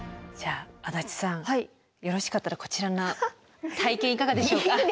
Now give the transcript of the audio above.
じゃあ足立さんよろしかったらこちらの体験いかがでしょうか。